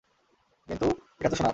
কিন্তু এটাতো সোনার।